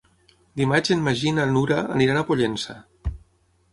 Dimarts en Magí i na Nura aniran a Pollença.